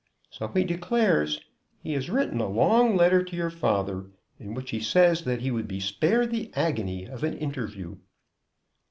"So he declares. He has written a long letter to your father, in which he says that he would be spared the agony of an interview."